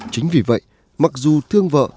chính vì vậy mặc dù thương vợ